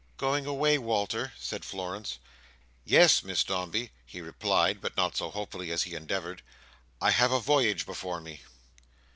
"Going away, Walter?" said Florence. "Yes, Miss Dombey," he replied, but not so hopefully as he endeavoured: "I have a voyage before me."